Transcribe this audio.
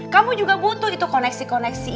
kamu juga butuh itu koneksi koneksi